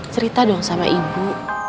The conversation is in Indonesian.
cerita dong sama ibu